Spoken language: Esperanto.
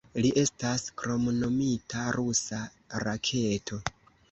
Li estas kromnomita "Rusa Raketo".